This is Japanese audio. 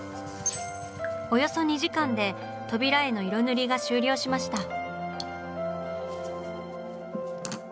およそ２時間で扉絵の色塗りが終了しました。